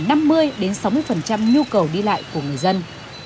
nhu cầu đi lại của người dân